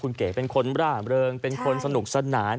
คุณเก๋เป็นคนร่าเริงเป็นคนสนุกสนาน